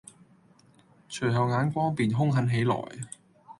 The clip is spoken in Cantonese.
隨後眼光便凶狠起來，